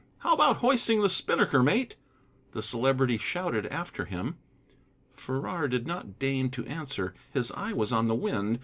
"How about hoisting the spinnaker, mate?" the Celebrity shouted after him. Farrar did not deign to answer: his eye was on the wind.